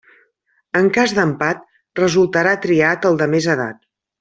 En cas d'empat resultarà triat el de més edat.